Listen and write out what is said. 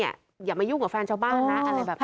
อย่ามายุ่งกับแฟนชาวบ้านนะอะไรแบบนี้